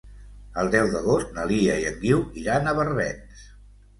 El deu d'agost na Lia i en Guiu iran a Barbens.